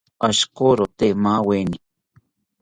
Ashikorote maaweni